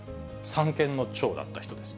三権の長だった人です。